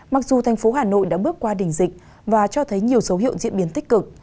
mặc dù thành phố hà nội đã bước qua đỉnh dịch và cho thấy nhiều dấu hiệu diễn biến tích cực